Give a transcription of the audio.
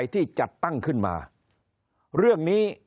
คนในวงการสื่อ๓๐องค์กร